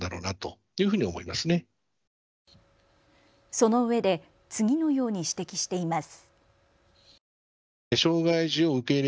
そのうえで次のように指摘しています。